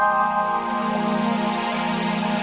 jam berapa sekarang